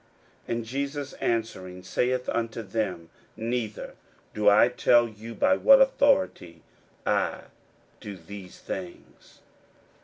And Jesus answering saith unto them, Neither do I tell you by what authority I do these things.